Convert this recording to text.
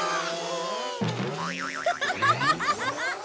ハハハハ！